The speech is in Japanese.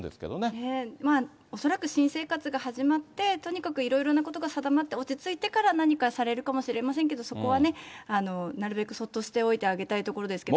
ねえ、恐らく新生活が始まって、とにかくいろいろなことが定まって、落ち着いてから何かされるかもしれませんけれども、そこはね、なるべくそっとしておいてあげたいところですけど。